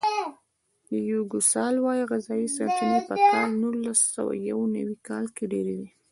د یوګوسلاویا غذایي سرچینې په کال نولسسوهیونوي کال کې ډېرې وې.